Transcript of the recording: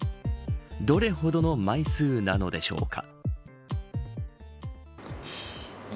どれほどの枚数なのでしょうか。